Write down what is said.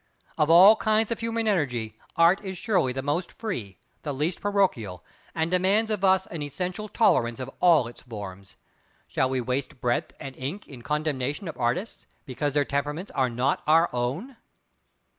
Of all kinds of human energy, Art is surely the most free, the least parochial; and demands of us an essential tolerance of all its forms. Shall we waste breath and ink in condemnation of artists, because their temperaments are not our own?